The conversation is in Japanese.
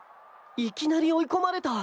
いきなり追い込まれた。